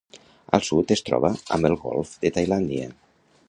Al sud es troba amb el golf de Tailàndia.